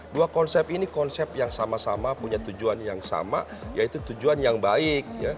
dua konsep ini konsep yang sama sama punya tujuan yang sama yaitu tujuan yang baik